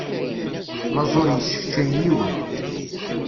Laẓ ur yesseččay yiwen.